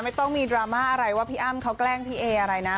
ไม่ต้องมีดราม่าอะไรว่าพี่อ้ำเขาแกล้งพี่เออะไรนะ